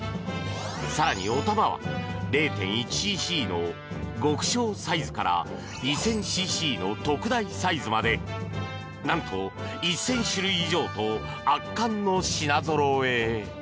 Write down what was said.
更に、おたまは０．１ｃｃの極小サイズから２０００ｃｃの特大サイズまで何と１０００種類以上と圧巻の品ぞろえ！